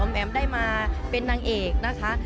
แอ๋มได้มาเป็นนางเอกนะคะ